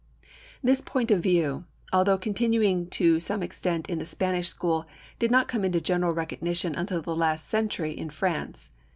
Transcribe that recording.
This point of view, although continuing to some extent in the Spanish school, did not come into general recognition until the last century in France.